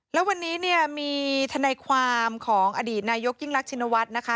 แล้ววันนี้เนี่ยมีทนายความของอดีตนายกยิ่งรักชินวัฒน์นะคะ